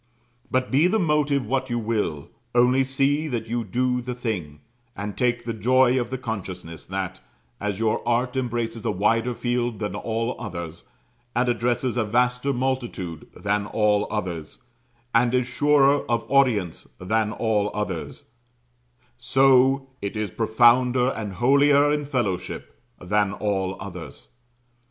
But be the motive what you will, only see that you do the thing; and take the joy of the consciousness that, as your art embraces a wider field than all others and addresses a vaster multitude than all others and is surer of audience than all others so it is profounder and holier in Fellowship than all others.